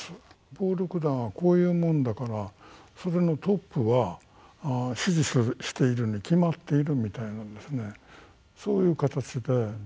暴力団はこういうもんだからそれのトップは指示しているに決まっているみたいなそういう形で。